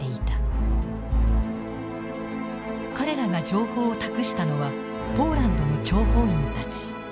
彼らが情報を託したのはポーランドの諜報員たち。